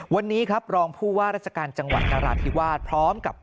วันนี้ครับรองผู้ว่าราชการจังหวัดนราธิวาสพร้อมกับ